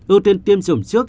ưu tiên tiêm chủng trước